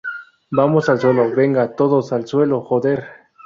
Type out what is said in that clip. vamos, al suelo. ¡ venga! ¡ todos al suelo, joder!